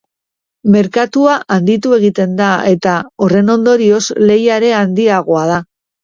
Merkatua handitu egiten da eta, horren ondorioz, lehia ere handiagoa da.